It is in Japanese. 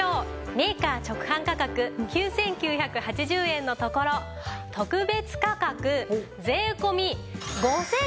メーカー直販価格９９８０円のところ特別価格税込５９８０円です。